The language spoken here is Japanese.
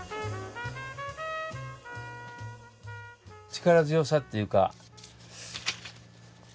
力強さというか。